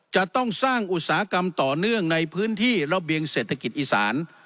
จะต้องสร้างอุตสาหกรรมต่อเนื่องในพื้นที่ระเบียงเศรษฐกิจอีสาน